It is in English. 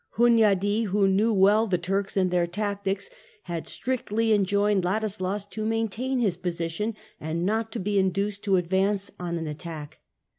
Hunyadi, who knew well the Turks and their tactics, had strictly enjoined Ladislas to maintain his position, and not to be induced to advance on an attack.